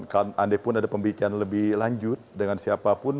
kalau anda pun ada pembicaraan lebih lanjut dengan siapapun